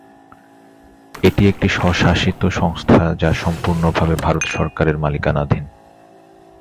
এটি একটি স্বশাসিত সংস্থা যা সম্পূর্ণ ভাবে ভারত সরকারের মালিকানাধীন।